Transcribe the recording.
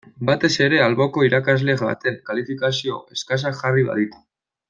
Batez ere alboko irakasle batek kalifikazio eskasak jarri baditu.